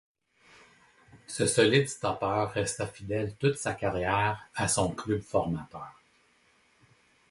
Ce solide stoppeur resta fidèle toute sa carrière à son club formateur.